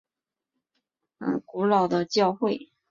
尼什郊区还有塞尔维亚最古老的教会。